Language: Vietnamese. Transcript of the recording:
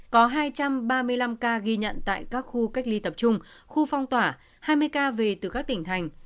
có hai trăm ba mươi năm ca ghi nhận tại các khu cách ly tập trung khu phong tỏa hai mươi ca về từ các tỉnh thành